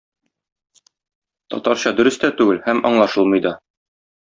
Татарча дөрес тә түгел һәм аңлашылмый да.